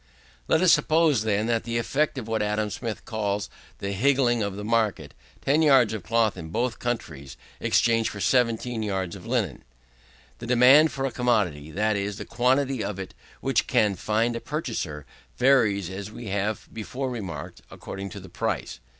Let us suppose, then, that by the effect of what Adam Smith calls the higgling of the market, 10 yards of cloth, in both countries, exchange for 17 yards of linen. The demand for a commodity, that is, the quantity of it which can find a purchaser, varies, as we have before remarked, according to the price.